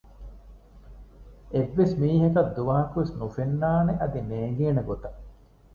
އެއްވެސް މީހަކަށް ދުވަހަކުވެސް ނުފެންނާނެ އަދި ނޭނގޭނެ ގޮތަށް